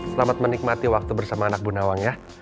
selamat menikmati waktu bersama anak bu nawang ya